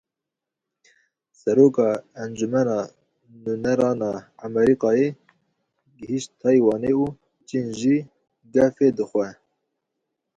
Seroka Encûmena Nûneran a Amerîkayê gihîşt Taywanê û Çîn jî gefê dixwe.